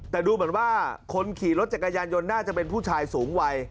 แต่ดูเหมือนว่าคนขี่รถจักรยานยนต์น่าจะเป็นผู้ชายสูงวัย